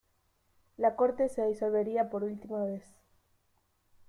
La corte se disolvería por última vez.